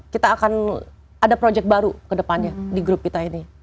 kita akan ada project baru ke depannya di grup kita ini